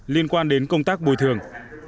liên quan đến công tác bồi thường